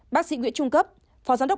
bác sĩ nguyễn trung cấp phó giám đốc